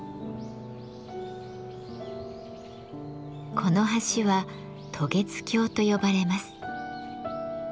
この橋は「渡月橋」と呼ばれます。